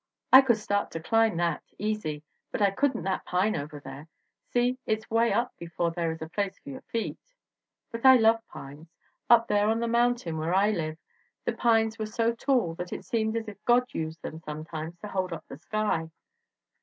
I could start to climb that easy, but I couldn't that pine over there. See, it's way up before there is a ELEANOR H. PORTER 115 place for your feet! But I love pines. Up there on the mountain, where I lived, the pines were so tall that it seemed as if God used them sometimes to hold up the sky.'